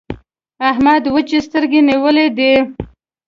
احمد وچې سترګې نيولې دي.